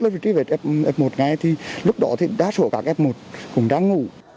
với truy vết f một ngay thì lúc đó thì đa số các f một cũng đang ngủ